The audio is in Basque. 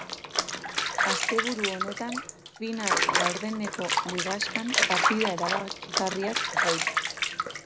Asteburu honetan final-laurdeneko ligaxkan partida erabakigarriak daude.